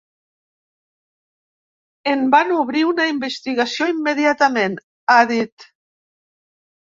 En van obrir una investigació immediatament, ha dit.